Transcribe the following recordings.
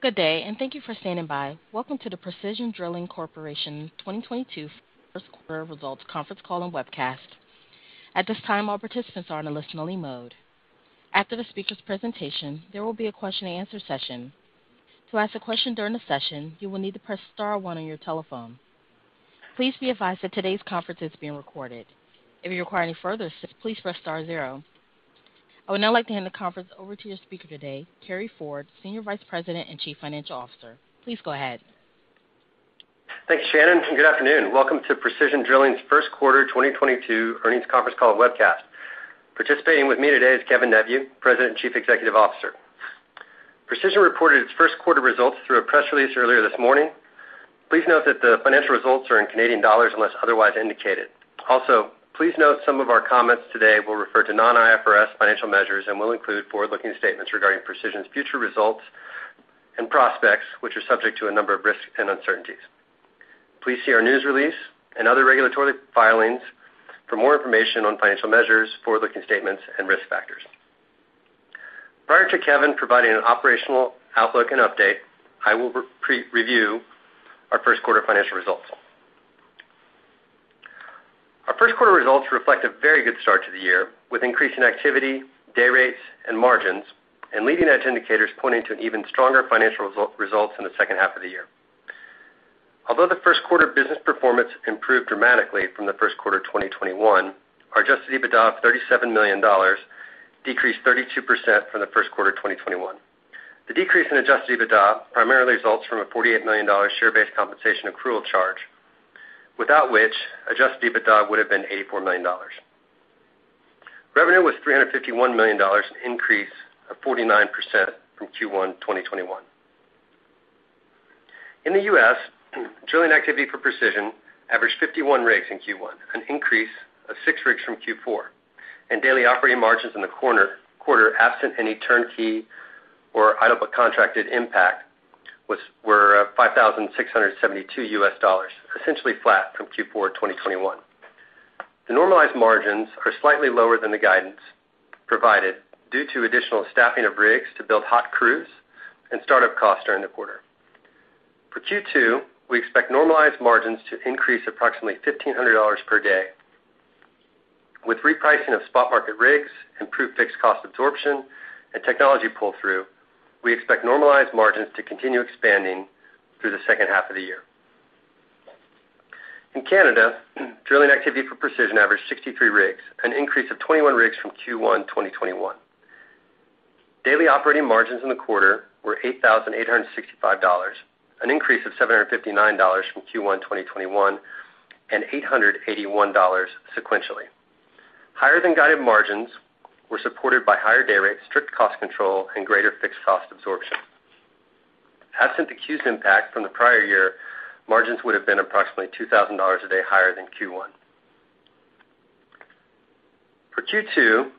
Good day, and thank you for standing by. Welcome to the Precision Drilling Corporation 2022 Q1 results conference call and webcast. At this time, all participants are in a listen-only mode. After the speaker's presentation, there will be a question-and-answer session. To ask a question during the session, you will need to press star one on your telephone. Please be advised that today's conference is being recorded. If you require any further assistance, please press star zero. I would now like to hand the conference over to your speaker today, Carey Ford, Senior Vice President and Chief Financial Officer. Please go ahead. Thanks, Shannon. Good afternoon. Welcome to Precision Drilling's Q1 2022 earnings conference call and webcast. Participating with me today is Kevin Neveu, President and Chief Executive Officer. Precision reported its Q1 results through a press release earlier this morning. Please note that the financial results are in Canadian dollars unless otherwise indicated. Also, please note some of our comments today will refer to non-IFRS financial measures and will include forward-looking statements regarding Precision's future results and prospects, which are subject to a number of risks and uncertainties. Please see our news release and other regulatory filings for more information on financial measures, forward-looking statements and risk factors. Prior to Kevin providing an operational outlook and update, I will review our Q1 financial results. Our Q1 results reflect a very good start to the year with increase in activity, day rates, and margins, and leading edge indicators pointing to an even stronger financial results in the second half of the year. Although the Q1 business performance improved dramatically from the Q1 of 2021, our adjusted EBITDA of $37 million decreased 32% from the Q1 of 2021. The decrease in adjusted EBITDA primarily results from a $48 million share-based compensation accrual charge, without which, adjusted EBITDA would have been $84 million. Revenue was $351 million, an increase of 49% from Q1 2021. In the US, drilling activity for Precision averaged 51 rigs in Q1, an increase of six rigs from Q4, and daily operating margins in the quarter absent any turnkey or idle but contracted impact were $5,672, essentially flat from Q4 2021. The normalized margins are slightly lower than the guidance provided due to additional staffing of rigs to build hot crews and start-up costs during the quarter. For Q2, we expect normalized margins to increase approximately $1,500 per day. With repricing of spot market rigs, improved fixed cost absorption, and technology pull-through, we expect normalized margins to continue expanding through the second half of the year. In Canada, drilling activity for Precision averaged 63 rigs, an increase of 21 rigs from Q1 2021. Daily operating margins in the quarter were $8,865, an increase of $759 from Q1 2021, and $881 sequentially. Higher than guided margins were supported by higher day rates, strict cost control, and greater fixed cost absorption. Absent the CEWS's impact from the prior year, margins would have been approximately $2,000 a day higher than Q1. For Q2,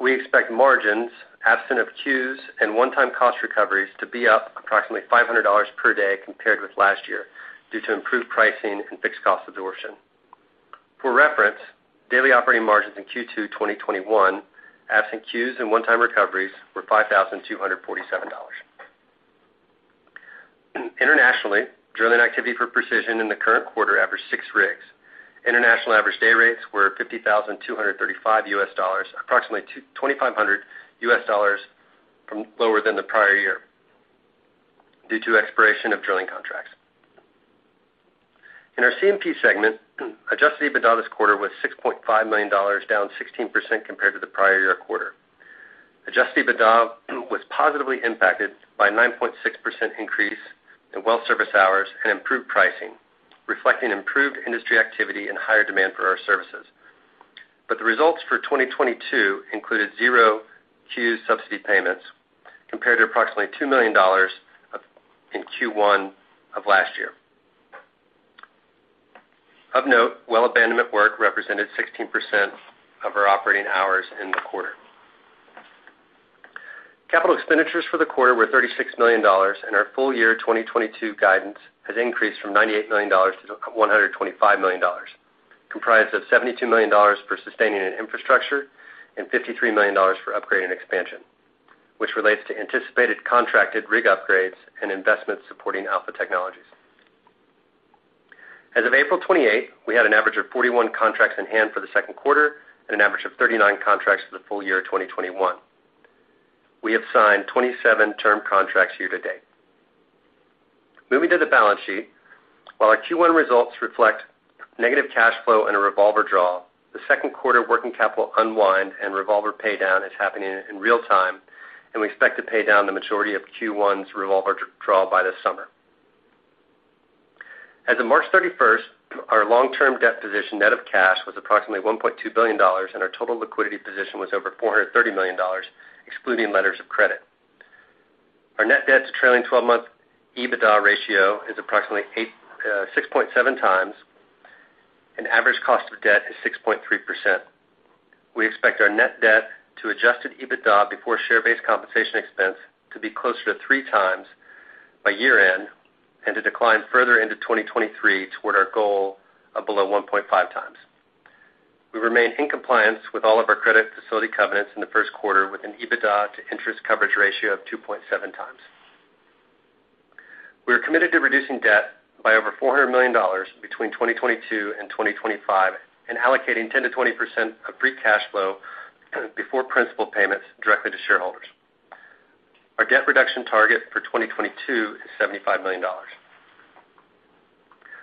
we expect margins, absent of CEWS and one-time cost recoveries, to be up approximately $500 per day compared with last year due to improved pricing and fixed cost absorption. For reference, daily operating margins in Q2 2021, absent CEWS and one-time recoveries, were $5,247. Internationally, drilling activity for Precision in the current quarter averaged 6 rigs. International average day rates were $50,235, approximately $2,500 lower than the prior year due to expiration of drilling contracts. In our C&P segment, adjusted EBITDA this quarter was $6.5 million, down 16% compared to the prior year quarter. Adjusted EBITDA was positively impacted by 9.6% increase in well service hours and improved pricing, reflecting improved industry activity and higher demand for our services. The results for 2022 included 0 CEWS subsidy payments compared to approximately $2 million dollars of, in Q1 of last year. Of note, well abandonment work represented 16% of our operating hours in the quarter. Capital expenditures for the quarter were $36 million, and our full year 2022 guidance has increased from $98 million to $125 million, comprised of $72 million for sustaining and infrastructure and $53 million for upgrade and expansion, which relates to anticipated contracted rig upgrades and investments supporting Alpha™ technologies. As of April 28, we had an average of 41 contracts in hand for the Q2 and an average of 39 contracts for the full year 2021. We have signed 27 term contracts year to date. Moving to the balance sheet. While our Q1 results reflect negative cash flow and a revolver draw, the Q2 working capital unwind and revolver paydown is happening in real time, and we expect to pay down the majority of Q1's revolver draw by this summer. As of March 31, our long-term debt position net of cash was approximately $1.2 billion, and our total liquidity position was over $430 million, excluding letters of credit. Our net debt to trailing twelve-month EBITDA ratio is approximately 6.7 times, and average cost of debt is 6.3%. We expect our net debt to adjusted EBITDA before share-based compensation expense to be closer to 3 times by year-end and to decline further into 2023 toward our goal of below 1.5 times. We remain in compliance with all of our credit facility covenants in the Q1 with an EBITDA to interest coverage ratio of 2.7 times. We are committed to reducing debt by over $400 million between 2022 and 2025 and allocating 10%-20% of free cash flow before principal payments directly to shareholders. Our debt reduction target for 2022 is $75 million.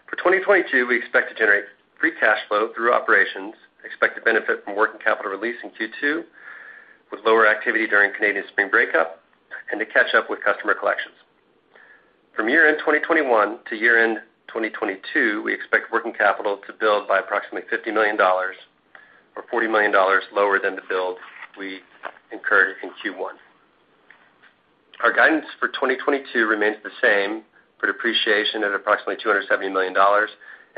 For 2022, we expect to generate free cash flow through operations, expect to benefit from working capital release in Q2 with lower activity during Canadian spring breakup and to catch up with customer collections. From year-end 2021 to year-end 2022, we expect working capital to build by approximately $50 million or $40 million lower than the build we incurred in Q1. Our guidance for 2022 remains the same for depreciation at approximately $270 million and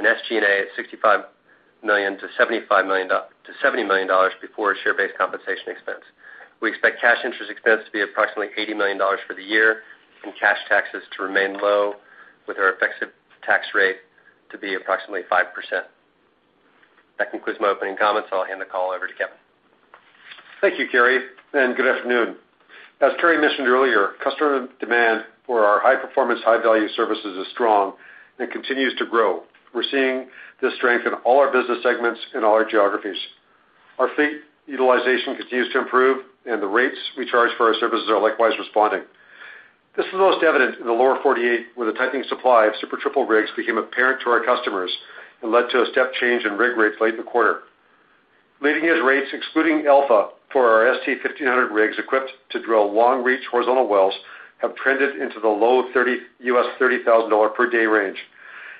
SG&A at $65 million-$75 million to $70 million before share-based compensation expense. We expect cash interest expense to be approximately $80 million for the year and cash taxes to remain low with our effective tax rate to be approximately 5%. That concludes my opening comments. I'll hand the call over to Kevin. Thank you, Carey, and good afternoon. As Carey mentioned earlier, customer demand for our high-performance, high-value services is strong and continues to grow. We're seeing this strength in all our business segments and all our geographies. Our fleet utilization continues to improve and the rates we charge for our services are likewise responding. This is most evident in the lower 48, where the tightening supply of Super Triple rigs became apparent to our customers and led to a step change in rig rates late in the quarter. Leading edge rates, excluding Alpha for our ST-1500 rigs equipped to drill long-reach horizontal wells, have trended into the low $30,000 per day range.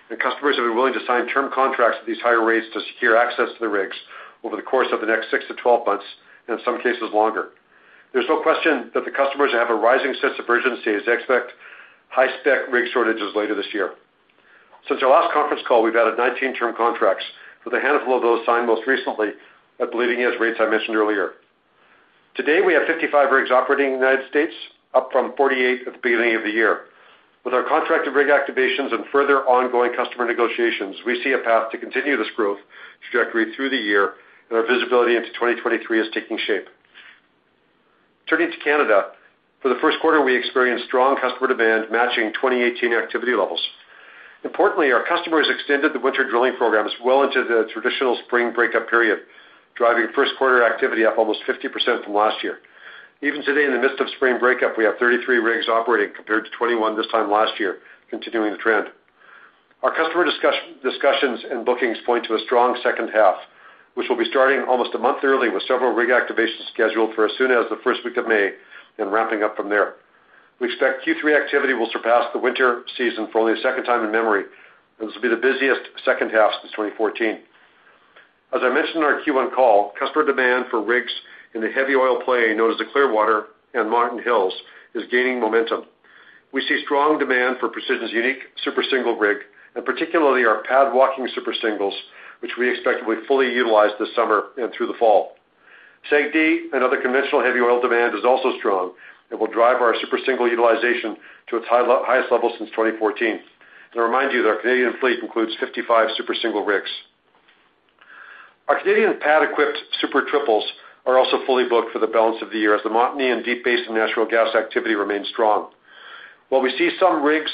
The customers have been willing to sign term contracts at these higher rates to secure access to the rigs over the course of the next six to 12 months, and in some cases longer. There's no question that the customers have a rising sense of urgency as they expect high-spec rig shortages later this year. Since our last conference call, we've added 19 term contracts, with a handful of those signed most recently at leading edge rates I mentioned earlier. Today, we have 55 rigs operating in the United States, up from 48 at the beginning of the year. With our contracted rig activations and further ongoing customer negotiations, we see a path to continue this growth trajectory through the year, and our visibility into 2023 is taking shape. Turning to Canada. For the Q1, we experienced strong customer demand matching 2018 activity levels. Importantly, our customers extended the winter drilling programs well into the traditional spring breakup period, driving Q1 activity up almost 50% from last year. Even today, in the midst of spring breakup, we have 33 rigs operating compared to 21 this time last year, continuing the trend. Our customer discussions and bookings point to a strong second half, which will be starting almost a month early with several rig activations scheduled for as soon as the first week of May and ramping up from there. We expect Q3 activity will surpass the winter season for only the second time in memory, and this will be the busiest second half since 2014. As I mentioned in our Q1 call, customer demand for rigs in the heavy oil play, known as the Clearwater and Marten Hills, is gaining momentum. We see strong demand for Precision's unique Super Single rig, and particularly our pad-walking Super Singles, which we expect will be fully utilized this summer and through the fall. SAGD and other conventional heavy oil demand is also strong and will drive our Super Single utilization to its highest level since 2014. I remind you that our Canadian fleet includes 55 Super Single rigs. Our Canadian pad-equipped Super Triples are also fully booked for the balance of the year as the Montney and Deep Basin natural gas activity remains strong. While we did see some rigs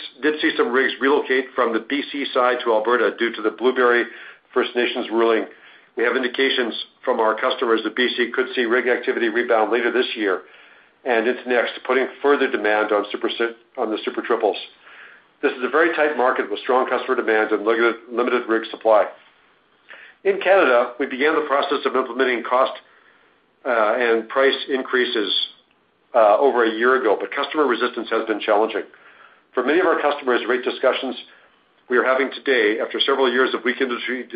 relocate from the BC side to Alberta due to the Blueberry River First Nations ruling, we have indications from our customers that BC could see rig activity rebound later this year and into next, putting further demand on the Super Triples. This is a very tight market with strong customer demand and limited rig supply. In Canada, we began the process of implementing cost and price increases over a year ago, but customer resistance has been challenging. For many of our customers, rate discussions we are having today after several years of weak industry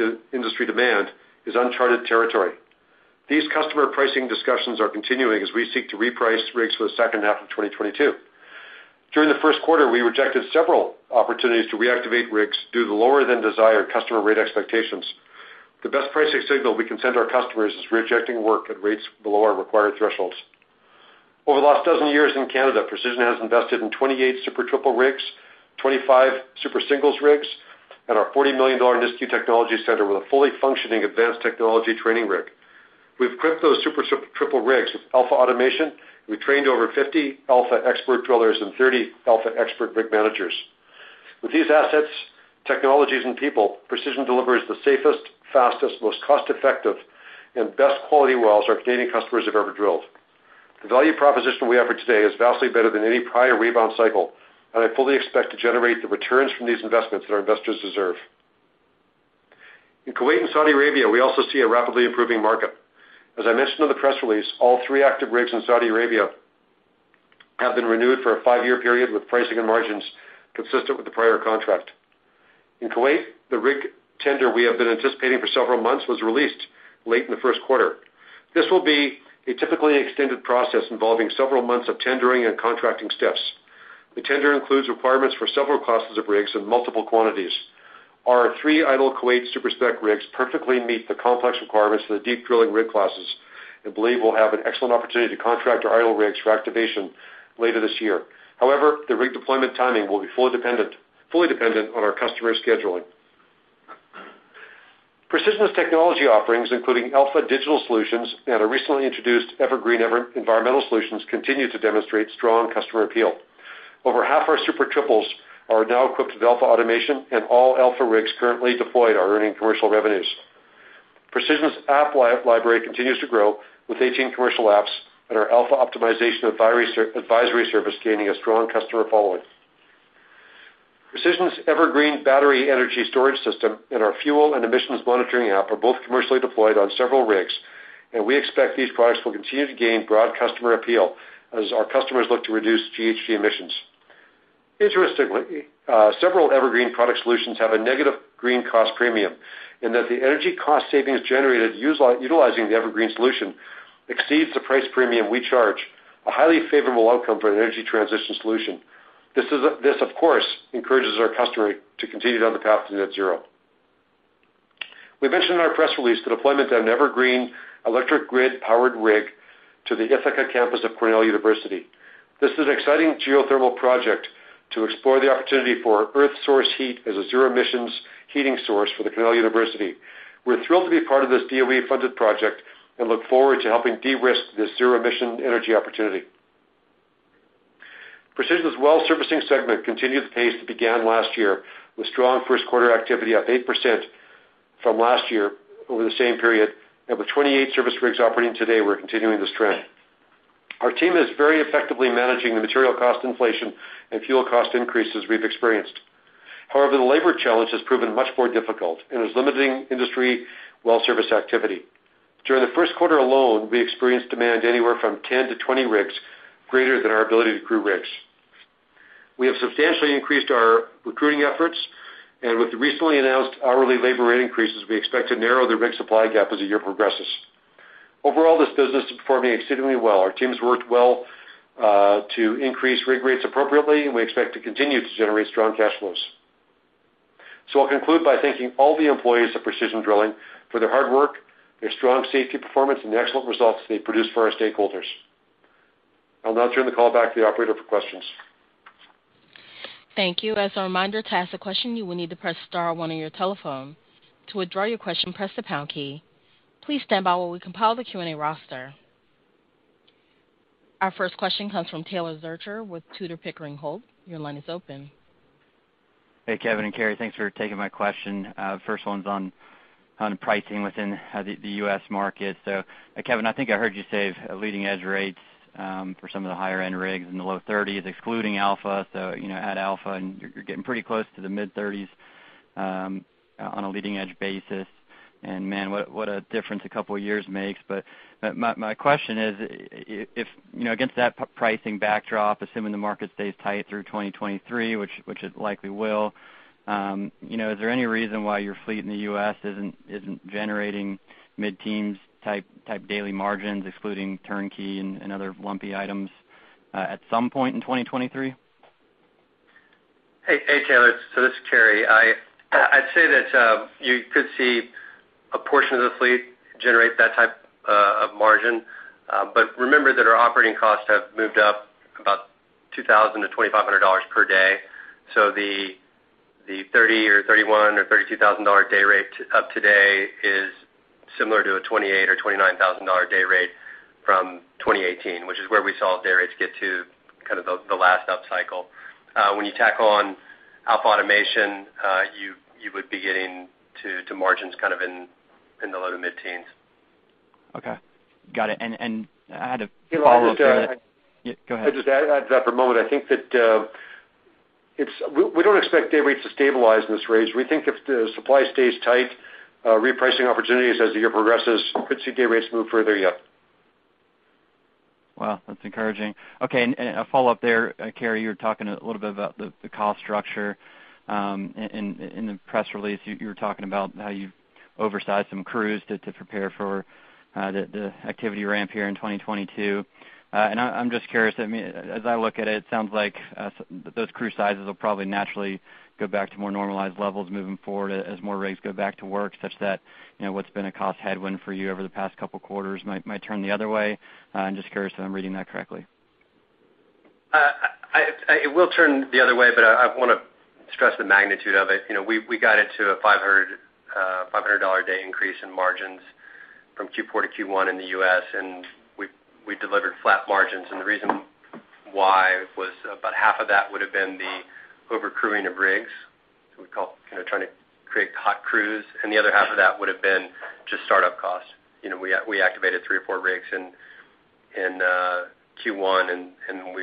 demand is uncharted territory. These customer pricing discussions are continuing as we seek to reprice rigs for the second half of 2022. During the Q1 we rejected several opportunities to reactivate rigs due to lower than desired customer rate expectations. The best pricing signal we can send our customers is rejecting work at rates below our required thresholds. Over the last 12 years in Canada, Precision has invested in 28 Super Triple rigs, 25 Super Single rigs, and our $40 million Nisku Technology Center with a fully functioning advanced technology training rig. We've equipped those Super Triple rigs with Alpha automation. We trained over 50 Alpha expert drillers and 30 Alpha expert rig managers. With these assets, technologies, and people, Precision delivers the safest, fastest, most cost-effective, and best quality wells our Canadian customers have ever drilled. The value proposition we offer today is vastly better than any prior rebound cycle, and I fully expect to generate the returns from these investments that our investors deserve. In Kuwait and Saudi Arabia, we also see a rapidly improving market. As I mentioned in the press release, all three active rigs in Saudi Arabia have been renewed for a five-year period with pricing and margins consistent with the prior contract. In Kuwait, the rig tender we have been anticipating for several months was released late in the Q1. This will be a typically extended process involving several months of tendering and contracting steps. The tender includes requirements for several classes of rigs and multiple quantities. Our three idle Kuwait super-spec rigs perfectly meet the complex requirements for the deep drilling rig classes. We believe we'll have an excellent opportunity to contract our idle rigs for activation later this year. However, the rig deployment timing will be fully dependent on our customer scheduling. Precision's technology offerings, including Alpha Digital Solutions and a recently introduced EverGreen Environmental Solutions, continue to demonstrate strong customer appeal. Over half our Super Triples are now equipped with Alpha Automation, and all Alpha rigs currently deployed are earning commercial revenues. Precision's Alpha library continues to grow with 18 commercial apps and our Alpha optimization advisory service gaining a strong customer following. Precision's EverGreen battery energy storage system and our fuel and emissions monitoring app are both commercially deployed on several rigs, and we expect these products will continue to gain broad customer appeal as our customers look to reduce GHG emissions. Interestingly, several EverGreen product solutions have a negative green cost premium in that the energy cost savings generated utilizing the EverGreen solution exceeds the price premium we charge, a highly favorable outcome for an energy transition solution. This, of course, encourages our customer to continue down the path to net zero. We mentioned in our press release the deployment of an EverGreen electric grid powered rig to the Ithaca campus of Cornell University. This is an exciting geothermal project to explore the opportunity for Earth Source Heat as a zero emissions heating source for the Cornell University. We're thrilled to be part of this DOE-funded project and look forward to helping de-risk this zero emission energy opportunity. Precision's well servicing segment continued the pace that began last year with strong Q1 activity up 8% from last year over the same period. With 28 service rigs operating today, we're continuing this trend. Our team is very effectively managing the material cost inflation and fuel cost increases we've experienced. However, the labor challenge has proven much more difficult and is limiting industry well service activity. During the Q1 alone, we experienced demand anywhere from 10-20 rigs greater than our ability to crew rigs. We have substantially increased our recruiting efforts, and with the recently announced hourly labor rate increases, we expect to narrow the rig supply gap as the year progresses. Overall, this business is performing exceedingly well. Our teams worked well to increase rig rates appropriately, and we expect to continue to generate strong cash flows. I'll conclude by thanking all the employees of Precision Drilling for their hard work, their strong safety performance, and the excellent results they produce for our stakeholders. I'll now turn the call back to the operator for questions. Thank you. As a reminder, to ask a question, you will need to press star one on your telephone. To withdraw your question, press the pound key. Please stand by while we compile the Q&A roster. Our first question comes from Taylor Zurcher with Tudor, Pickering, Holt & Co. Your line is open. Hey, Kevin and Carey. Thanks for taking my question. First one's on pricing within the U.S. market. Kevin, I think I heard you say leading edge rates for some of the higher end rigs in the low $30s, excluding Alpha. You know, add Alpha, and you're getting pretty close to the mid-$30s on a leading edge basis. Man, what a difference a couple of years makes. My question is if, you know, against that pricing backdrop, assuming the market stays tight through 2023, which it likely will, you know, is there any reason why your fleet in the U.S. isn't generating mid-teens type daily margins, excluding turnkey and other lumpy items, at some point in 2023? Hey, Taylor. This is Carey. I'd say that you could see a portion of the fleet generate that type of margin. Remember that our operating costs have moved up about $2,000-$2,500 per day. The $30,000 or $31,000 or $32,000 day rate of today is similar to a $28,000 or $29,000 day rate from 2018, which is where we saw day rates get to kind of the last upcycle. When you tack on AlphaAutomation, you would be getting to margins kind of in the low- to mid-teens. Okay, got it. I had a follow-up there. Yeah, go ahead. I'll just add to that for a moment. I think that, we don't expect day rates to stabilize in this range. We think if the supply stays tight, repricing opportunities as the year progresses could see day rates move further yet. Wow, that's encouraging. Okay, a follow-up there. Carey, you were talking a little bit about the cost structure. In the press release, you were talking about how you've oversized some crews to prepare for the activity ramp here in 2022. I'm just curious. I mean, as I look at it sounds like those crew sizes will probably naturally go back to more normalized levels moving forward as more rigs go back to work, such that you know, what's been a cost headwind for you over the past couple quarters might turn the other way. I'm just curious if I'm reading that correctly. It will turn the other way, but I wanna stress the magnitude of it. You know, we got it to a $500 per day increase in margins from Q4 to Q1 in the US, and we delivered flat margins. The reason why was about half of that would have been the overcrewing of rigs, so-called, you know, trying to create hot crews, and the other half of that would have been just startup costs. You know, we activated three or four rigs in Q1 and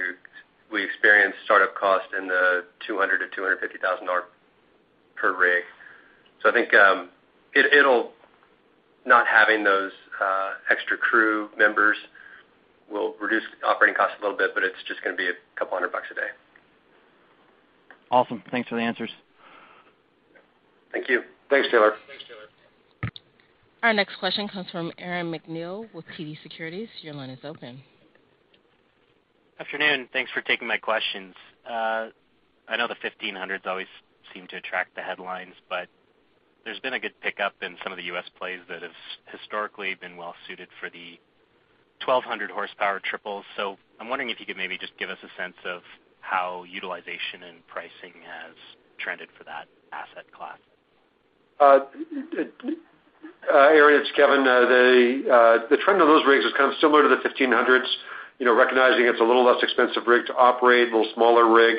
we experienced startup costs in the $200 thousand-$250 thousand per rig. I think not having those extra crew members will reduce operating costs a little bit, but it's just gonna be $200 a day. Awesome. Thanks for the answers. Thank you. Our next question comes from Aaron MacNeil with TD Securities. Your line is open. Afternoon. Thanks for taking my questions. I know the 1,500s always seem to attract the headlines, but there's been a good pickup in some of the U.S. plays that have historically been well suited for the 1,200 horsepower triples. I'm wondering if you could maybe just give us a sense of how utilization and pricing has trended for that asset class. Aaron, it's Kevin. The trend of those rigs is kind of similar to the 1,500s, you know, recognizing it's a little less expensive rig to operate, a little smaller rig.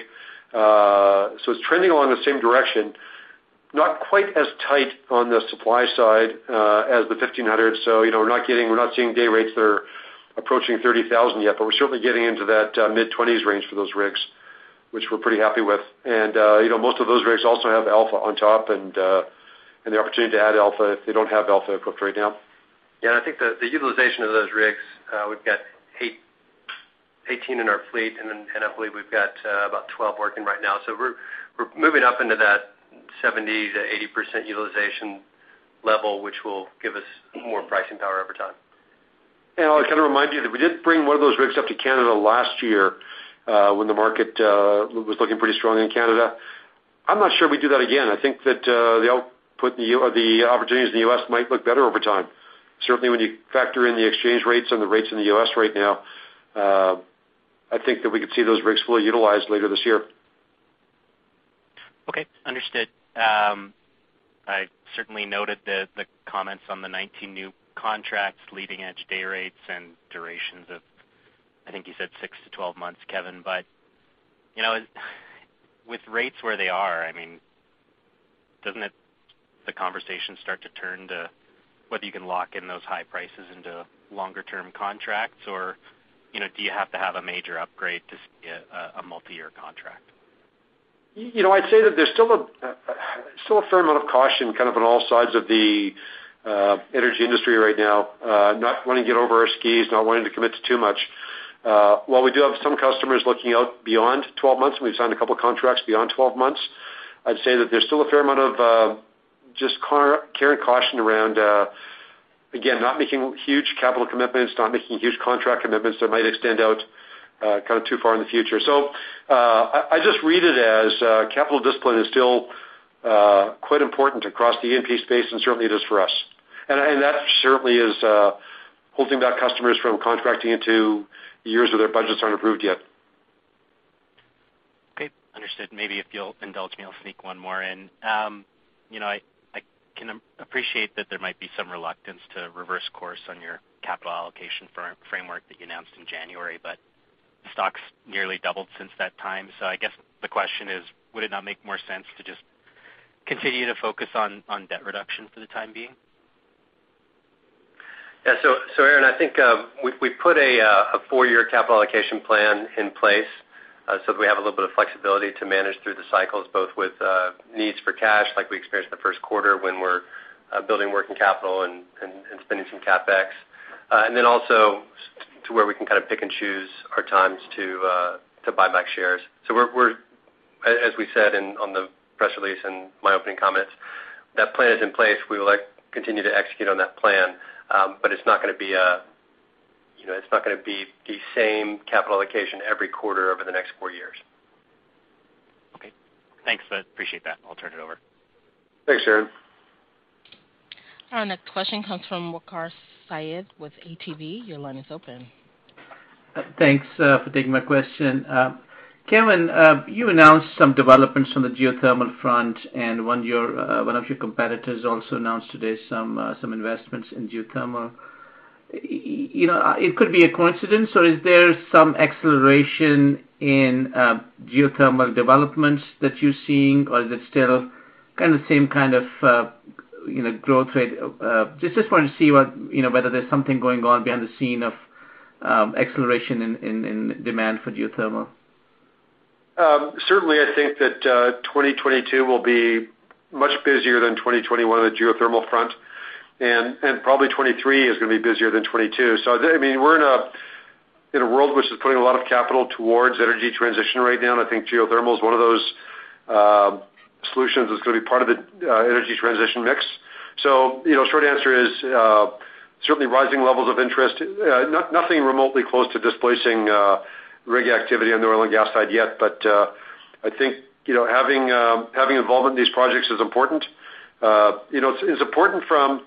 It's trending along the same direction, not quite as tight on the supply side as the 1,500s. You know, we're not seeing day rates that are approaching $30,000 yet, but we're certainly getting into that mid-20,000s range for those rigs, which we're pretty happy with. You know, most of those rigs also have Alpha on top and the opportunity to add Alpha if they don't have Alpha equipped right now. I think the utilization of those rigs, we've got 88 in our fleet, and I believe we've got about 12 working right now. We're moving up into that 70%-80% utilization level, which will give us more pricing power over time. I'll kind of remind you that we did bring one of those rigs up to Canada last year, when the market was looking pretty strong in Canada. I'm not sure we'd do that again. I think that the output in the US or the opportunities in the US might look better over time. Certainly, when you factor in the exchange rates and the rates in the U.S. right now, I think that we could see those rigs fully utilized later this year. Okay. Understood. I certainly noted the comments on the 19 new contracts, leading edge day rates and durations of, I think you said six-12 months, Kevin. You know, with rates where they are, I mean, doesn't the conversation start to turn to whether you can lock in those high prices into longer term contracts, or, you know, do you have to have a major upgrade to see a multi-year contract? You know, I'd say that there's still a fair amount of caution kind of on all sides of the energy industry right now, not wanting to get over our skis, not wanting to commit to too much. While we do have some customers looking out beyond 12 months, and we've signed a couple contracts beyond 12 months, I'd say that there's still a fair amount of just carrying caution around, again, not making huge capital commitments, not making huge contract commitments that might extend out kind of too far in the future. I just read it as capital discipline is still quite important across the E&P space, and certainly it is for us. That certainly is holding back customers from contracting into years where their budgets aren't approved yet. Okay. Understood. Maybe if you'll indulge me, I'll sneak one more in. You know, I can appreciate that there might be some reluctance to reverse course on your capital allocation firm framework that you announced in January, but the stock's nearly doubled since that time. I guess the question is, would it not make more sense to just continue to focus on debt reduction for the time being? Yeah. Aaron, I think we put a four-year capital allocation plan in place so that we have a little bit of flexibility to manage through the cycles, both with needs for cash like we experienced in the Q1 when we're building working capital and spending some CapEx. Then also to where we can kind of pick and choose our times to buy back shares. We're, as we said on the press release and my opening comments, that plan is in place. We would like to continue to execute on that plan, but it's not gonna be a, you know, it's not gonna be the same capital allocation every quarter over the next four years. Okay. Thanks. I appreciate that. I'll turn it over. Thanks, Aaron. Our next question comes from Waqar Syed with ATB. Your line is open. Thanks for taking my question. Kevin, you announced some developments on the geothermal front, and one of your competitors also announced today some investments in geothermal. You know, it could be a coincidence, or is there some acceleration in geothermal developments that you're seeing, or is it still kind of the same kind of growth rate? Just want to see what, you know, whether there's something going on behind the scenes of acceleration in demand for geothermal. Certainly I think that 2022 will be much busier than 2021 on the geothermal front, and probably 2023 is gonna be busier than 2022. I mean, we're in a world which is putting a lot of capital towards energy transition right now, and I think geothermal is one of those solutions that's gonna be part of the energy transition mix. You know, short answer is certainly rising levels of interest. Nothing remotely close to displacing rig activity on the oil and gas side yet, but I think you know, having involvement in these projects is important. You know, it's important from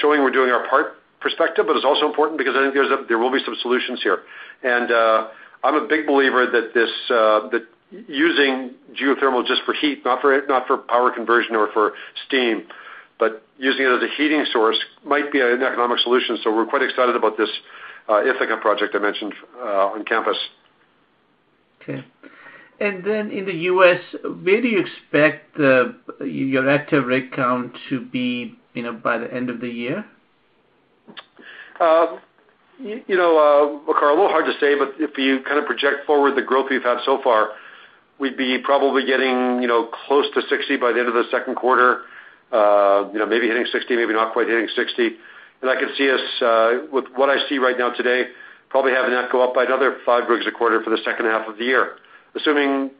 showing we're doing our part perspective, but it's also important because I think there will be some solutions here. I'm a big believer that using geothermal just for heat, not for power conversion or for steam, but using it as a heating source might be an economic solution. We're quite excited about this Ithaca project I mentioned on campus. Okay. In the U.S., where do you expect your active rig count to be, you know, by the end of the year? You know, Waqar, a little hard to say, but if you kind of project forward the growth we've had so far, we'd be probably getting, you know, close to 60 by the end of the Q2. You know, maybe hitting 60, maybe not quite hitting 60. I could see us, with what I see right now today, probably having that go up by another five rigs a quarter for the second half of the year, assuming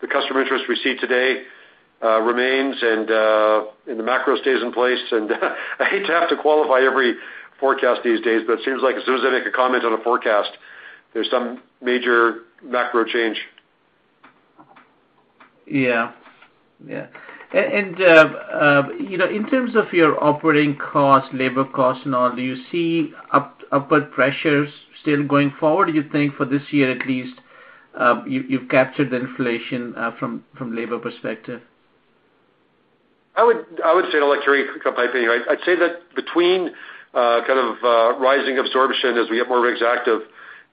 the customer interest we see today remains and the macro stays in place. I hate to have to qualify every forecast these days, but it seems like as soon as I make a comment on a forecast, there's some major macro change. Yeah. Yeah. You know, in terms of your operating costs, labor costs and all, do you see upward pressures still going forward? Do you think for this year at least, you've captured the inflation from labor perspective? I would say, and I'll let Carey confirm my opinion. I'd say that between kind of rising absorption as we get more rigs active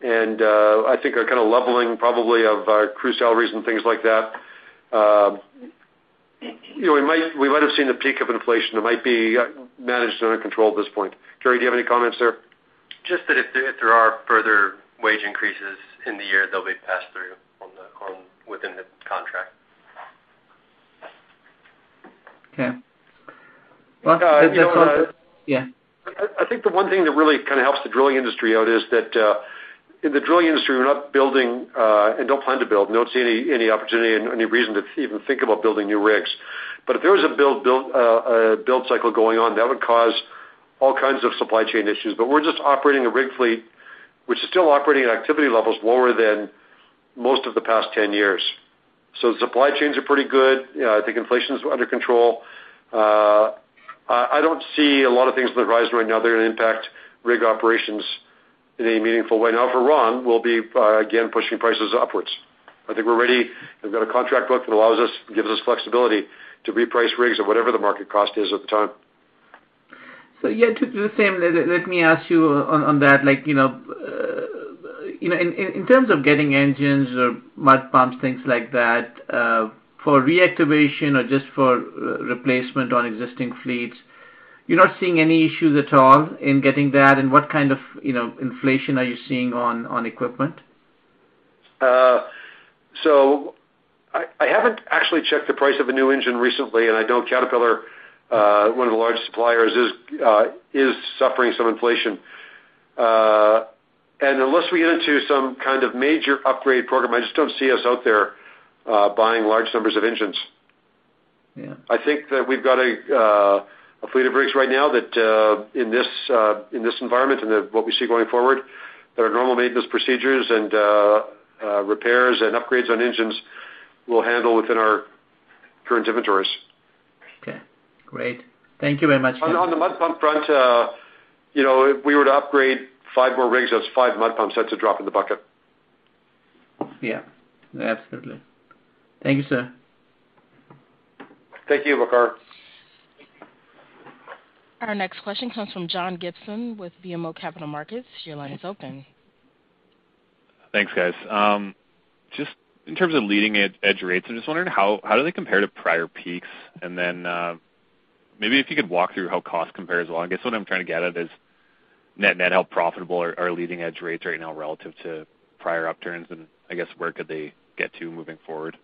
and I think a kind of leveling probably of our crew salaries and things like that, you know, we might have seen the peak of inflation that might be managed and under control at this point. Carey, do you have any comments there? Just that if there are further wage increases in the year, they'll be passed through within the contract. Okay. Well, I think the one thing that really kind of helps the drilling industry out is that, in the drilling industry, we're not building, and don't plan to build, and don't see any opportunity and any reason to even think about building new rigs. If there was a build cycle going on, that would cause all kinds of supply chain issues. We're just operating a rig fleet, which is still operating at activity levels lower than most of the past 10 years. Supply chains are pretty good. You know, I think inflation is under control. I don't see a lot of things on the rise right now that are gonna impact rig operations in a meaningful way. Now if we're wrong, we'll be again pushing prices upwards. I think we're ready. We've got a contract book that allows us and gives us flexibility to reprice rigs at whatever the market cost is at the time. Yeah, to the same, let me ask you on that, like, you know, you know, in terms of getting engines or mud pumps, things like that, for reactivation or just for replacement on existing fleets, you're not seeing any issues at all in getting that? What kind of, you know, inflation are you seeing on equipment? I haven't actually checked the price of a new engine recently, and I know Caterpillar, one of the largest suppliers is suffering some inflation. Unless we get into some kind of major upgrade program, I just don't see us out there, buying large numbers of engines. Yeah. I think that we've got a fleet of rigs right now that in this environment and what we see going forward, that our normal maintenance procedures and repairs and upgrades on engines will handle within our current inventories. Okay, great. Thank you very much. On the mud pump front, you know, if we were to upgrade 5 more rigs, that's 5 mud pumps. That's a drop in the bucket. Yeah, absolutely. Thank you, sir. Thank you, Waqar Syed. Our next question comes from John Gibson with BMO Capital Markets. Your line is open. Thanks, guys. Just in terms of leading-edge rates, I'm just wondering how do they compare to prior peaks? Maybe if you could walk through how cost compares as well. I guess what I'm trying to get at is net how profitable are leading-edge rates right now relative to prior upturns, and I guess where could they get to moving forward?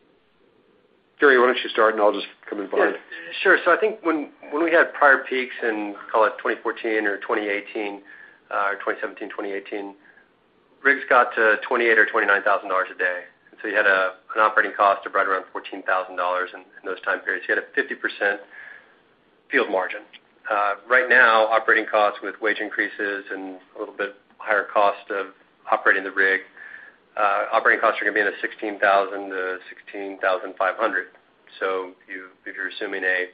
Carey Ford, why don't you start and I'll just come in behind. Yeah, sure. I think when we had prior peaks in, call it, 2014 or 2018, 2017, 2018, rigs got to $28,000 or $29,000 a day. You had an operating cost of right around $14,000 in those time periods. You had a 50% field margin. Right now operating costs with wage increases and a little bit higher cost of operating the rig, operating costs are gonna be in the $16,000-$16,500. If you're assuming a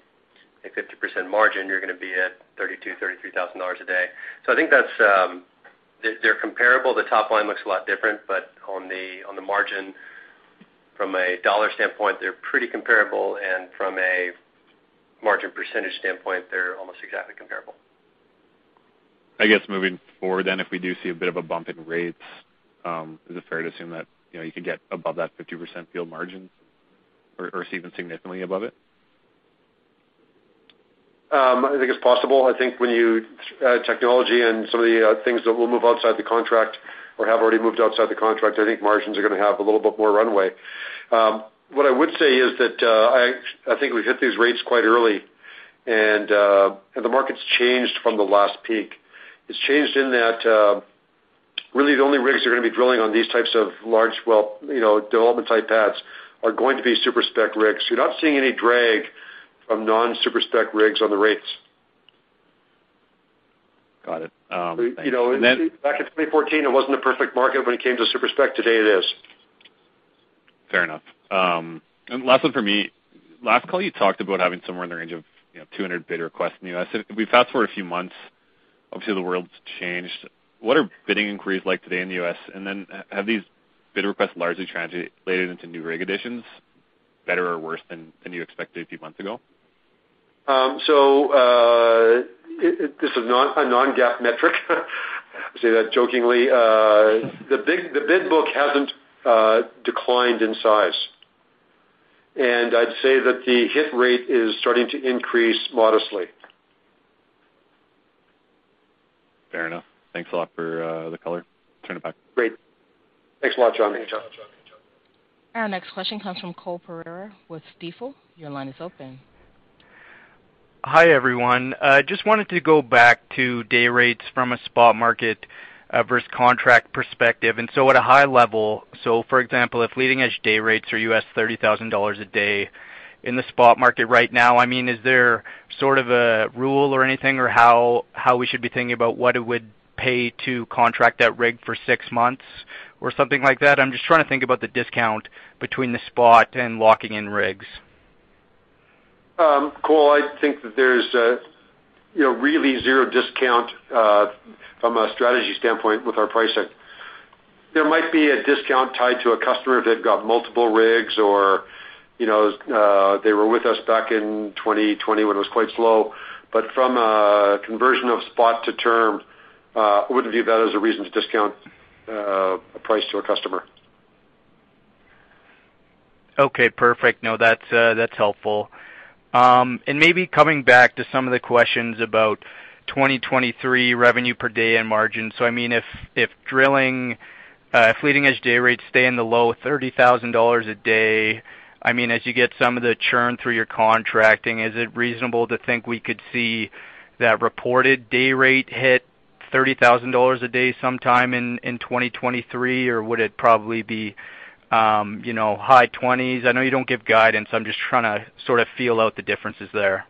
50% margin, you're gonna be at $32,000-$33,000 a day. I think that's, they're comparable. The top line looks a lot different, but on the margin from a dollar standpoint, they're pretty comparable, and from a margin percentage standpoint, they're almost exactly comparable. I guess moving forward then, if we do see a bit of a bump in rates, is it fair to assume that, you know, you could get above that 50% field margin or even significantly above it? I think it's possible. I think when you add technology and some of the things that will move outside the contract or have already moved outside the contract, I think margins are gonna have a little bit more runway. What I would say is that I think we've hit these rates quite early and the market's changed from the last peak. It's changed in that really the only rigs that are gonna be drilling on these types of large well, you know, development type pads are going to be super-spec rigs. You're not seeing any drag from non-super-spec rigs on the rates. Got it. Thanks. You know, back in 2014, it wasn't a perfect market when it came to super-spec. Today it is. Fair enough. And last one for me. Last call you talked about having somewhere in the range of, you know, 200 bid requests in the U.S. If we fast forward a few months, obviously the world's changed. What are bidding inquiries like today in the U.S? Have these bid requests largely translated into new rig additions better or worse than you expected a few months ago? This is not a non-GAAP metric. I say that jokingly. The bid book hasn't declined in size. I'd say that the hit rate is starting to increase modestly. Fair enough. Thanks a lot for the color. Turn it back. Great. Thanks a lot, John. Our next question comes from Cole Pereira with Stifel. Your line is open. Hi, everyone. Just wanted to go back to day rates from a spot market versus contract perspective. At a high level, so for example, if leading edge day rates are $30,000 a day in the spot market right now, I mean, is there sort of a rule or anything or how we should be thinking about what it would pay to contract that rig for six months or something like that? I'm just trying to think about the discount between the spot and locking in rigs. Cole, I think that there's, you know, really zero discount from a strategy standpoint with our pricing. There might be a discount tied to a customer if they've got multiple rigs or, you know, they were with us back in 2020 when it was quite slow. From a conversion of spot to term, I wouldn't view that as a reason to discount a price to a customer. Okay, perfect. No, that's helpful. Maybe coming back to some of the questions about 2023 revenue per day and margin. I mean, if leading edge day rates stay in the low $30,000 a day, I mean, as you get some of the churn through your contracting, is it reasonable to think we could see that reported day rate hit $30,000 a day sometime in 2023, or would it probably be, you know, high 20s? I know you don't give guidance, so I'm just trying to sort of feel out the differences there.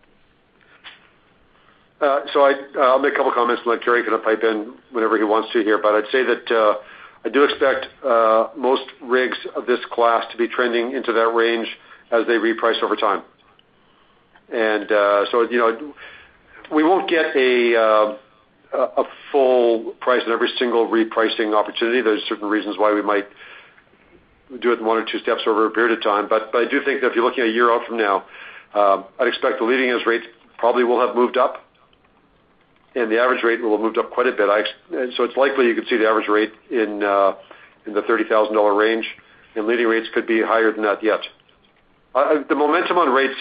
I'll make a couple comments and let Carey kind of pipe in whenever he wants to here. But I'd say that I do expect most rigs of this class to be trending into that range as they reprice over time. You know, we won't get a full price on every single repricing opportunity. There's certain reasons why we might do it in one or two steps over a period of time. But I do think that if you're looking a year out from now, I'd expect the leading edge rates probably will have moved up, and the average rate will have moved up quite a bit. It's likely you could see the average rate in the $30,000 range, and leading rates could be higher than that yet. The momentum on rates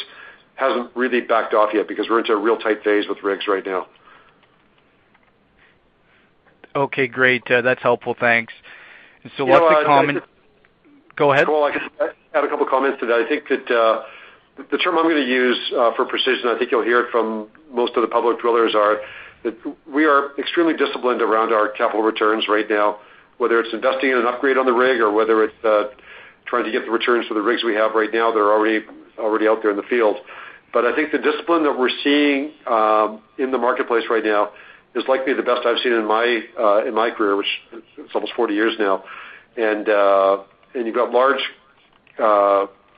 hasn't really backed off yet because we're into real tight days with rigs right now. Okay, great. That's helpful. Thanks. Last comment. You know, I just. Go ahead. Cole, I have a couple comments on that. I think that the term I'm gonna use for Precision, I think you'll hear it from most of the public drillers is that we are extremely disciplined around our capital returns right now, whether it's investing in an upgrade on the rig or whether it's trying to get the returns for the rigs we have right now that are already out there in the field. I think the discipline that we're seeing in the marketplace right now is likely the best I've seen in my career, which is almost 40 years now. You've got large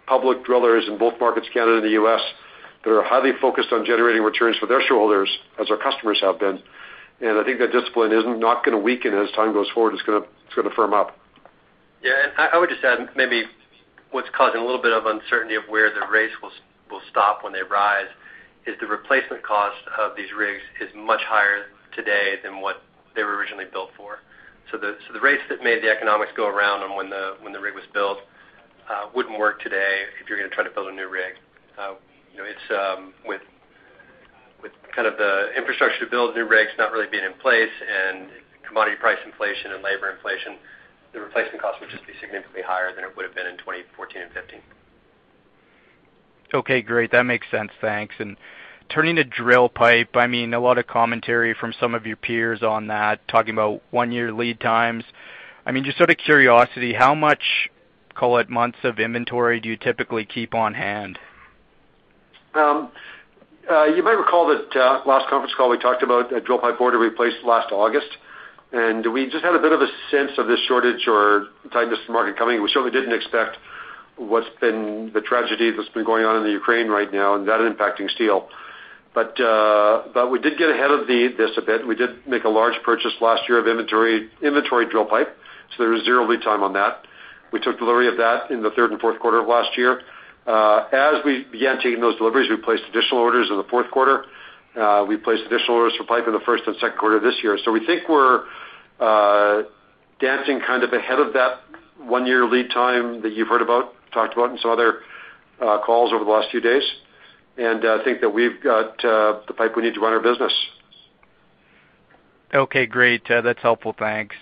public drillers in both markets, Canada and the U.S., that are highly focused on generating returns for their shareholders as our customers have been. I think that discipline is not gonna weaken as time goes forward. It's gonna firm up. Yeah, I would just add maybe what's causing a little bit of uncertainty of where the rates will stop when they rise is the replacement cost of these rigs is much higher today than what they were originally built for. So the rates that made the economics go around and when the rig was built, you know, it's with kind of the infrastructure to build new rigs not really being in place and commodity price inflation and labor inflation, the replacement cost would just be significantly higher than it would have been in 2014 and 2015. Okay, great. That makes sense. Thanks. Turning to drill pipe, I mean, a lot of commentary from some of your peers on that, talking about one-year lead times. I mean, just out of curiosity, how much, call it, months of inventory do you typically keep on hand? You might recall that last conference call, we talked about a drill pipe order we placed last August. We just had a bit of a sense of this shortage or tightness to the market coming. We certainly didn't expect what's been the tragedy that's been going on in the Ukraine right now and that impacting steel. But we did get ahead of this a bit. We did make a large purchase last year of inventory drill pipe, so there was zero lead time on that. We took delivery of that in the third and Q4 of last year. As we began taking those deliveries, we placed additional orders in the Q4. We placed additional orders for pipe in the first and Q2 of this year. We think we're dancing kind of ahead of that one-year lead time that you've heard about, talked about in some other calls over the last few days. I think that we've got the pipe we need to run our business. Okay, great. That's helpful. Thanks.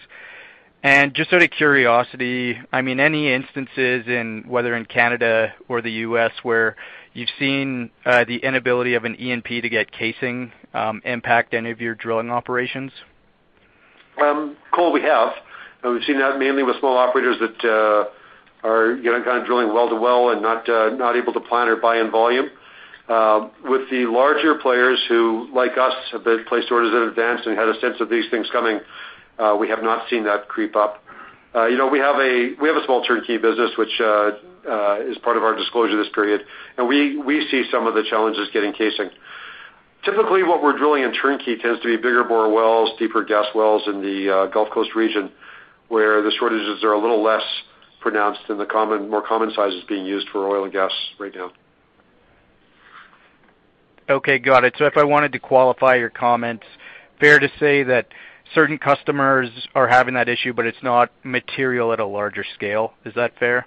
Just out of curiosity, I mean, any instances, whether in Canada or the U.S., where you've seen the inability of an E&P to get casing impact any of your drilling operations? Cole, we've seen that mainly with small operators that are, you know, kind of drilling well to well and not able to plan or buy in volume. With the larger players who, like us, have placed orders in advance and had a sense of these things coming, we have not seen that creep up. You know, we have a small turnkey business, which is part of our disclosure this period, and we see some of the challenges getting casing. Typically, what we're drilling in turnkey tends to be bigger bore wells, deeper gas wells in the Gulf Coast region, where the shortages are a little less pronounced than the common, more common sizes being used for oil and gas right now. Okay, got it. If I wanted to qualify your comments, fair to say that certain customers are having that issue, but it's not material at a larger scale. Is that fair?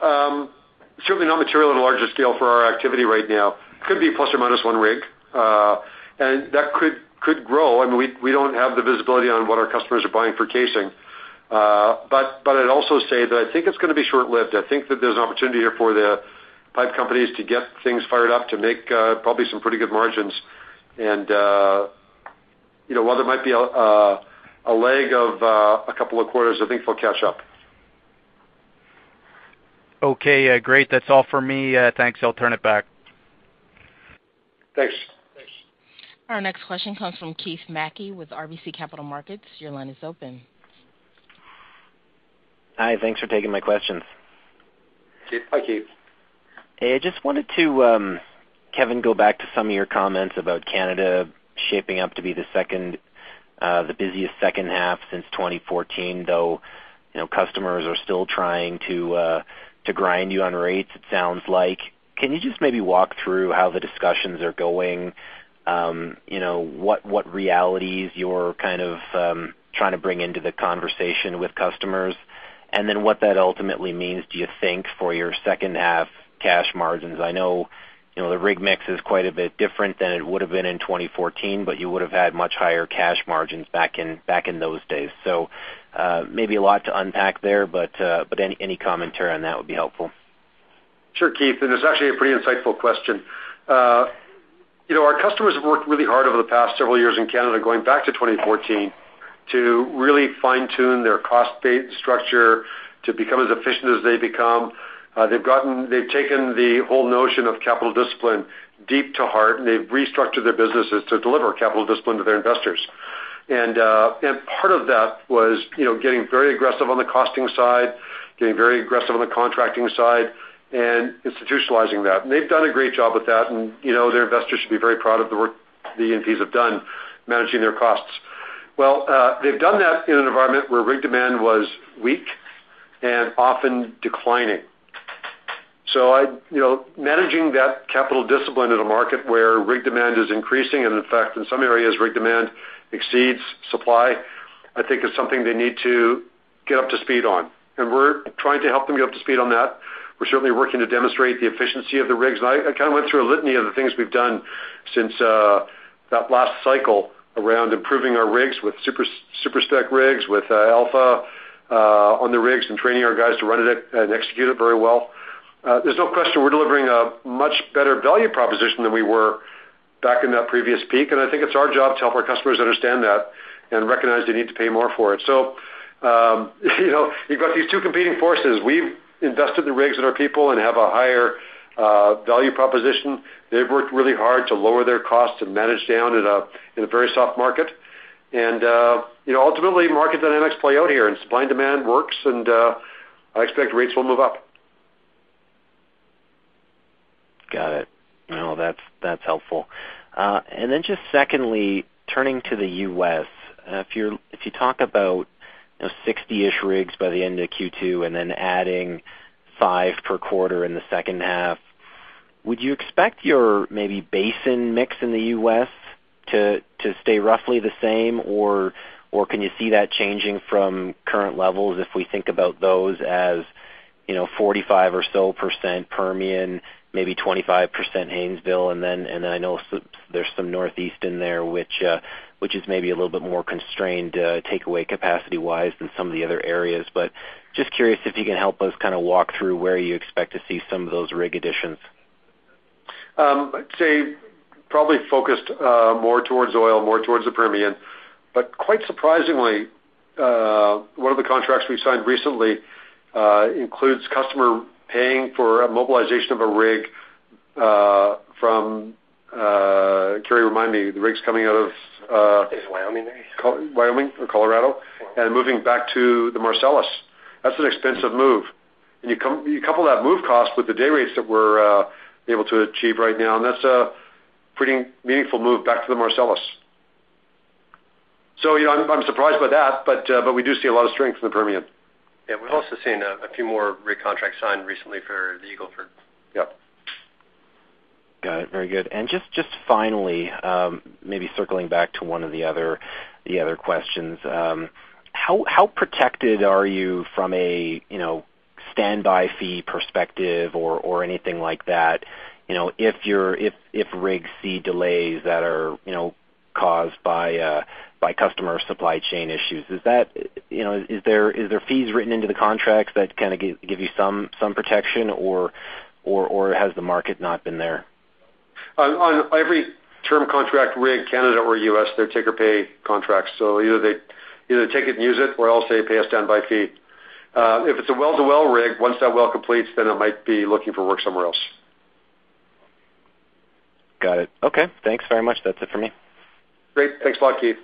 Certainly not material at a larger scale for our activity right now. Could be plus or minus one rig. I mean, we don't have the visibility on what our customers are buying for casing. I'd also say that I think it's gonna be short-lived. I think that there's an opportunity here for the pipe companies to get things fired up to make probably some pretty good margins. You know, while there might be a lag of a couple of quarters, I think they'll catch up. Okay. Great. That's all for me. Thanks. I'll turn it back. Thanks. Thanks. Our next question comes from Keith MacKey with RBC Capital Markets. Your line is open. Hi. Thanks for taking my questions. Hi, Keith. Hey, I just wanted to, Kevin, go back to some of your comments about Canada shaping up to be the second busiest second half since 2014, though, you know, customers are still trying to grind you on rates, it sounds like. Can you just maybe walk through how the discussions are going? You know, what realities you're kind of trying to bring into the conversation with customers? And then what that ultimately means, do you think, for your second half cash margins? I know, you know, the rig mix is quite a bit different than it would have been in 2014, but you would have had much higher cash margins back in those days. Maybe a lot to unpack there, but any commentary on that would be helpful. Sure, Keith, and it's actually a pretty insightful question. You know, our customers have worked really hard over the past several years in Canada, going back to 2014, to really fine-tune their cost base structure to become as efficient as they've become. They've taken the whole notion of capital discipline deep to heart, and they've restructured their businesses to deliver capital discipline to their investors. Part of that was, you know, getting very aggressive on the costing side, getting very aggressive on the contracting side, and institutionalizing that. They've done a great job with that, and, you know, their investors should be very proud of the work the E&Ps have done managing their costs. They've done that in an environment where rig demand was weak and often declining. I you know, managing that capital discipline in a market where rig demand is increasing, and in fact, in some areas, rig demand exceeds supply, I think is something they need to get up to speed on. We're trying to help them get up to speed on that. We're certainly working to demonstrate the efficiency of the rigs. I kind of went through a litany of the things we've done since that last cycle around improving our rigs with super-spec rigs, with Alpha on the rigs and training our guys to run it and execute it very well. There's no question we're delivering a much better value proposition than we were back in that previous peak, and I think it's our job to help our customers understand that and recognize they need to pay more for it. You know, you've got these two competing forces. We've invested in the rigs and our people and have a higher value proposition. They've worked really hard to lower their costs and manage down in a very soft market. You know, ultimately, market dynamics play out here, and supply and demand works, and I expect rates will move up. Got it. No, that's helpful. And then just secondly, turning to the U.S., if you talk about, you know, 60-ish rigs by the end of Q2 and then adding five per quarter in the second half, would you expect your maybe basin mix in the US to stay roughly the same, or can you see that changing from current levels if we think about those as, you know, 45% or so Permian, maybe 25% Haynesville? And then I know there's some Northeast in there, which is maybe a little bit more constrained takeaway capacity-wise than some of the other areas. But just curious if you can help us kind of walk through where you expect to see some of those rig additions. I'd say probably focused more towards oil, more towards the Permian. Quite surprisingly, one of the contracts we signed recently includes customer paying for a mobilization of a rig from, Carey, remind me, the rig's coming out of. I think it's Wyoming, maybe. Wyoming or Colorado, and moving back to the Marcellus. That's an expensive move. You couple that move cost with the day rates that we're able to achieve right now, and that's a pretty meaningful move back to the Marcellus. You know, I'm surprised by that, but we do see a lot of strength in the Permian. Yeah, we're also seeing a few more rig contracts signed recently for the Eagle Ford. Yep. Got it. Very good. Just finally, maybe circling back to one of the other questions, how protected are you from a you know standby fee perspective or anything like that, you know, if rigs see delays that are you know caused by customer supply chain issues? Is that you know is there fees written into the contracts that kind of give you some protection, or has the market not been there? On every term contract rig, Canada or U.S., they're take or pay contracts. Either take it and use it or they'll pay a standby fee. If it's a well-to-well rig, once that well completes, it might be looking for work somewhere else. Got it. Okay. Thanks very much. That's it for me. Great. Thanks a lot, Keith.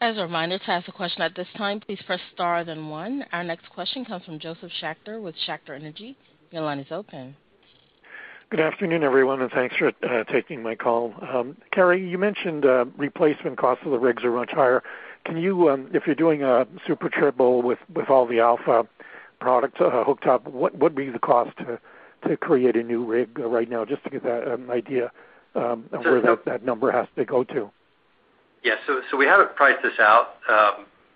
As a reminder, to ask a question at this time, please press star then one. Our next question comes from Josef Schachter with Schachter Energy. Your line is open. Good afternoon, everyone, and thanks for taking my call. Carey, you mentioned replacement cost of the rigs are much higher. Can you, if you're doing a Super Triple with all the Alpha products hooked up, what would be the cost to create a new rig right now, just to get an idea of where that number has to go to? Yeah. We haven't priced this out.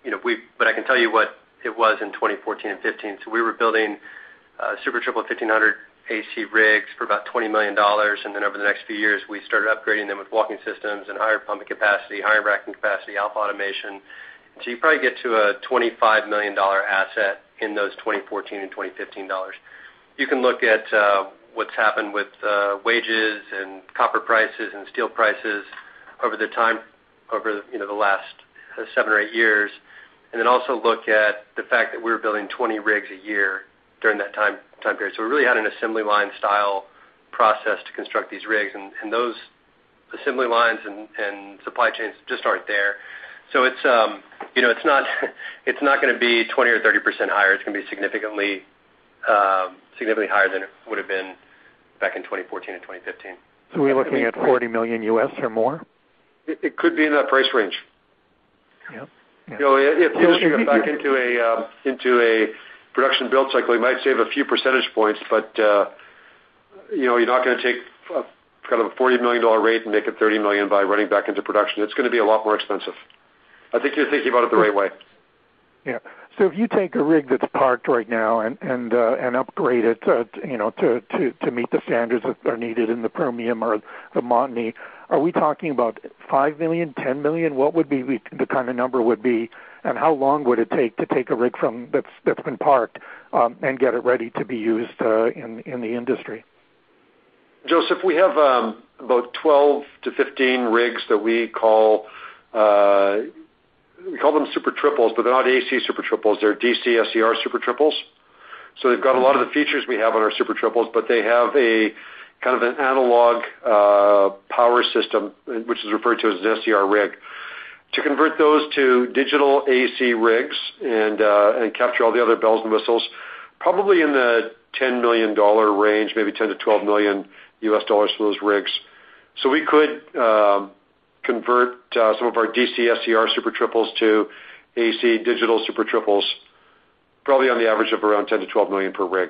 You know, but I can tell you what it was in 2014 and 2015. We were building Super Triple 1500 AC rigs for about $20 million. Then over the next few years, we started upgrading them with walking systems and higher pumping capacity, higher racking capacity, Alpha automation. You probably get to a $25 million asset in those 2014 and 2015 dollars. You can look at what's happened with wages and copper prices and steel prices over time. You know, over the last seven or eight years. Then also look at the fact that we're building 20 rigs a year during that time period. We really had an assembly line style process to construct these rigs, and those assembly lines and supply chains just aren't there. It's, you know, not gonna be 20% or 30% higher. It's gonna be significantly higher than it would have been back in 2014 and 2015. Are we looking at $40 million or more? It could be in that price range. Yep. You know, if we get back into a production build cycle, it might save a few percentage points, but you know, you're not gonna take kind of a $40 million rate and make it $30 million by running back into production. It's gonna be a lot more expensive. I think you're thinking about it the right way. Yeah. If you take a rig that's parked right now and upgrade it to, you know, to meet the standards that are needed in the Permian or the Montney, are we talking about $5 million, $10 million? What would the kind of number be, and how long would it take to take a rig that's been parked and get it ready to be used in the industry? Josef, we have about 12-15 rigs that we call Super Triples, but they're not AC Super Triples. They're DC SCR Super Triples. They've got a lot of the features we have on our Super Triples, but they have a kind of an analog power system, which is referred to as an SCR rig. To convert those to digital AC rigs and capture all the other bells and whistles, probably in the $10 million range, maybe $10-$12 million for those rigs. We could convert some of our DC SCR Super Triples to AC digital Super Triples, probably on the average of around $10-$12 million per rig.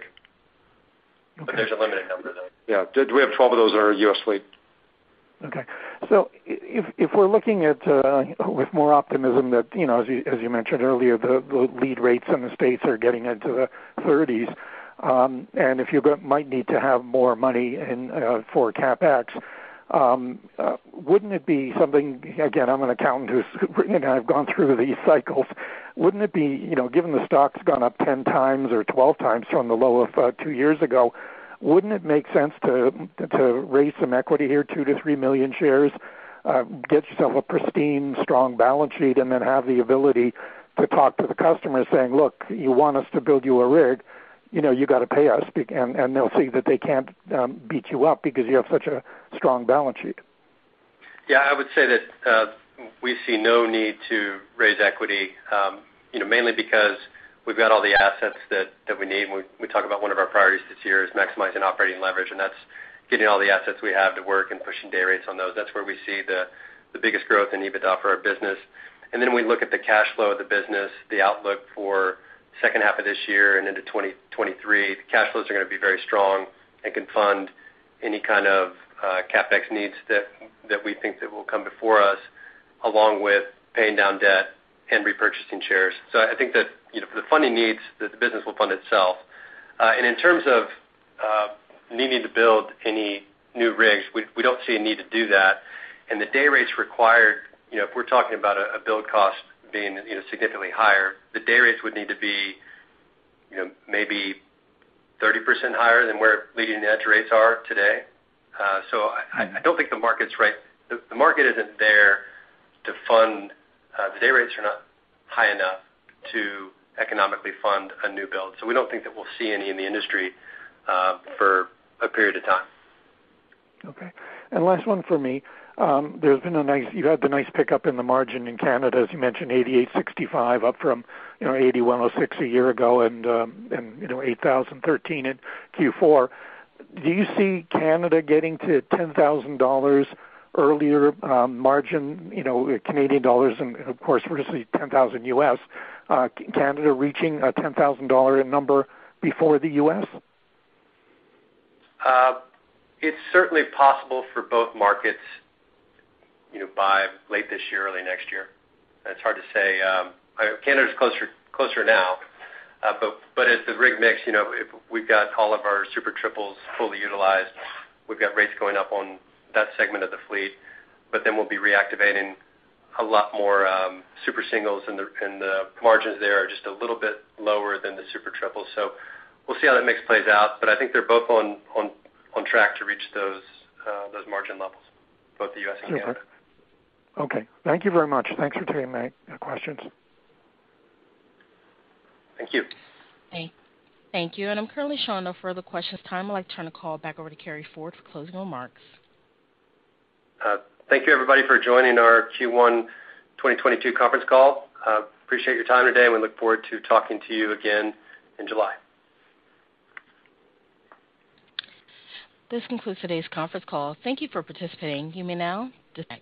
Okay. There's a limited number of them. Yeah, we have 12 of those in our U.S. fleet. Okay. If we're looking at with more optimism that, you know, as you mentioned earlier, the lead rates in the States are getting into the thirties, and if you might need to have more money in for CapEx, wouldn't it be something. Again, I'm an accountant who's, you know, I've gone through these cycles. Wouldn't it be, you know, given the stock's gone up 10 times or 12 times from the low of two years ago, wouldn't it make sense to raise some equity here, 2 to 3 million shares, get yourself a pristine, strong balance sheet, and then have the ability to talk to the customer saying, "Look, you want us to build you a rig, you know, you gotta pay us." And they'll see that they can't beat you up because you have such a strong balance sheet. Yeah, I would say that we see no need to raise equity, you know, mainly because we've got all the assets that we need. We talk about one of our priorities this year is maximizing operating leverage, and that's getting all the assets we have to work and pushing day rates on those. That's where we see the biggest growth in EBITDA for our business. Then we look at the cash flow of the business, the outlook for second half of this year and into 2023. The cash flows are gonna be very strong and can fund any kind of CapEx needs that we think that will come before us, along with paying down debt and repurchasing shares. I think that, you know, for the funding needs, the business will fund itself. In terms of needing to build any new rigs, we don't see a need to do that. The day rates required, you know, if we're talking about a build cost being, you know, significantly higher, the day rates would need to be, you know, maybe 30% higher than where leading-edge rates are today. I don't think the market's right. The market isn't there to fund the day rates are not high enough to economically fund a new build. We don't think that we'll see any in the industry for a period of time. Okay. Last one for me. You've had the nice pickup in the margin in Canada, as you mentioned, $8,865 up from, you know, $8,106 a year ago and, you know, $8,013 in Q4. Do you see Canada getting to $10,000 earlier, margin, you know, Canadian dollars and of course, we're gonna see $10,000 US, Canada reaching a $10,000 dollar number before the U.S.? It's certainly possible for both markets, you know, by late this year, early next year. It's hard to say, Canada's closer now. It's the rig mix. You know, if we've got all of our Super Triples fully utilized, we've got rates going up on that segment of the fleet, but then we'll be reactivating a lot more Super Singles, and the margins there are just a little bit lower than the Super Triples. We'll see how that mix plays out. I think they're both on track to reach those margin levels, both the U.S. and Canada. Okay. Thank you very much. Thanks for taking my questions. Thank you. Thank you. I'm currently showing no further questions. At this time I'd like to turn the call back over to Carey Ford for closing remarks. Thank you, everybody, for joining our Q1 2022 conference call. Appreciate your time today, and we look forward to talking to you again in July. This concludes today's conference call. Thank you for participating. You may now disconnect.